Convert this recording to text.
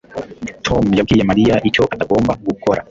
Tom yabwiye Mariya icyo atagomba gukora